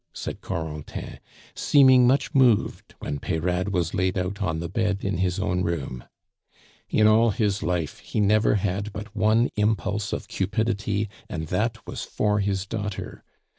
said Corentin, seeming much moved when Peyrade was laid out on the bed in his own room. "In all his life he never had but one impulse of cupidity, and that was for his daughter!